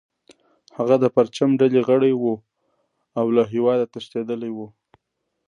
هغه د پرچم ډلې غړی و او له هیواده تښتیدلی و